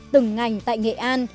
từng ngành tại nghệ an